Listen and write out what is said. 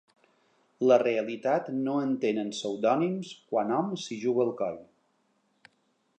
La realitat no entén en pseudònims quan hom s’hi juga el coll.